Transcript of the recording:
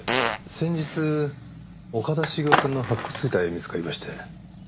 先日岡田茂雄さんの白骨遺体見つかりまして。